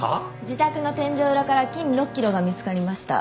自宅の天井裏から金６ｋｇが見つかりました。